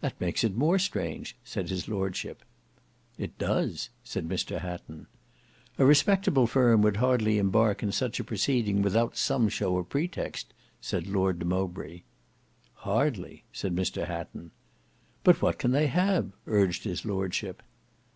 "That makes it more strange," said his Lordship. "It does," said Mr Hatton. "A respectable firm would hardly embark in such a proceeding without some show of pretext," said Lord de Mowbray. "Hardly," said Mr Hatton. "But what can they have?" urged his Lordship.